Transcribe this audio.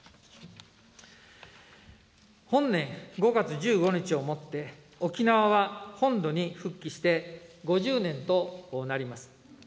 本年５月１５日をもって、沖縄は本土に復帰して５０年となります。